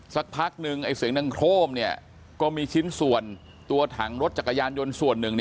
สักพักนึงเสียงดังโครมก็มีชิ้นส่วนตัวถังรถจักรยานยนต์ส่วนหนึ่ง